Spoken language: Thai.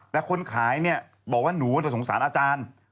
แต่คนขายเนี่ยบอกว่าหนูจะสงสารอาจารย์